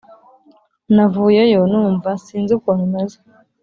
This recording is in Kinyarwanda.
navuyeyo numva sinzi ukuntu meze